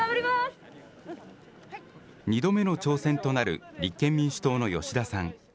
２度目の挑戦となる立憲民主党の吉田さん。